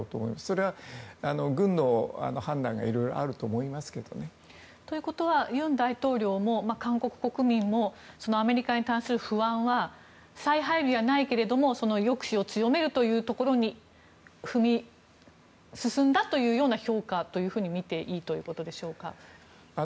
それは軍の判断がいろいろあると思いますけどね。ということは尹大統領も韓国国民もアメリカに対する不安は再配備はないけども抑止を強めるというところに進んだというような評価というふうにみていいんでしょうか？